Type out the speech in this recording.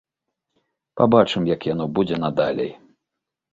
Пабачым, як яно будзе надалей.